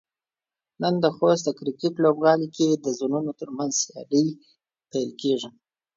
نن د خوست د کرکټ لوبغالي کې د زونونو ترمنځ سيالۍ پيل کيږي.